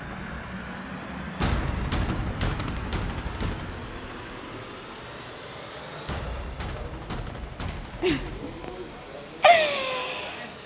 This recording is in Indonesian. sampai jumpa datang